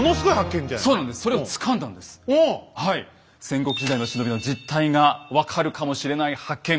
戦国時代の忍びの実態が分かるかもしれない発見。